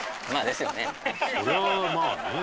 「そりゃあまあねえ」